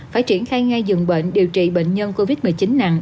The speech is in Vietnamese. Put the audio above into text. phải triển khai ngay dường bệnh điều trị bệnh nhân covid một mươi chín nặng